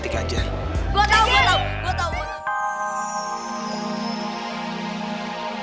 siapa tuh revan